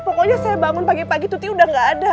pokoknya saya bangun pagi pagi tuti udah gak ada